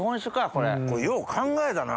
これよう考えたな。